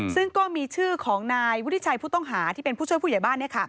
ซึ่งก็มีชื่อของนายวุฒิชัยผู้ต้องหาที่เป็นผู้ช่วยผู้ใหญ่บ้าน